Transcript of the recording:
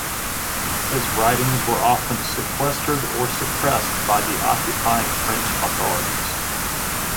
His writings were often sequestered or suppressed by the occupying French authorities.